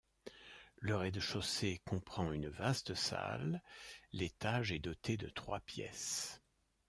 Le rez de chaussée comprend une vaste salle, l'étage est doté de trois pièces.